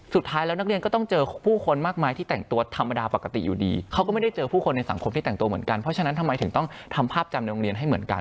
สุดท้ายแล้วนักเรียนก็ต้องเจอผู้คนมากมายที่แต่งตัวธรรมดาปกติอยู่ดีเขาก็ไม่ได้เจอผู้คนในสังคมที่แต่งตัวเหมือนกันเพราะฉะนั้นทำไมถึงต้องทำภาพจำในโรงเรียนให้เหมือนกัน